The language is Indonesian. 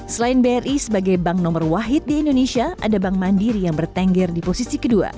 selain bri sebagai bank nomor wahid di indonesia ada bank mandiri yang bertengger di posisi kedua